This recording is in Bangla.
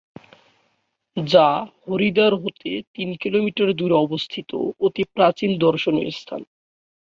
যা হরিদ্বার হতে তিন কিলোমিটার দূরে অবস্থিত অতি প্রাচীন দর্শনীয় স্থান।